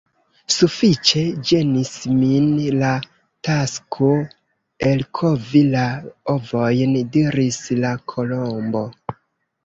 "Sufiĉe ĝenis min la tasko elkovi la ovojn," diris la Kolombo. "